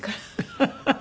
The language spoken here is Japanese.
フフフフ！